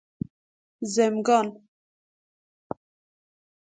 زمگان